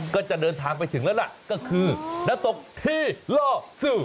ก็จะเดินทางไปถึงแล้วล่ะก็คือน้ำตกที่ล่อซื้อ